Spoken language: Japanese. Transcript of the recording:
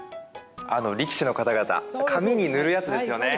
力士の方々髪に塗るやつですよね？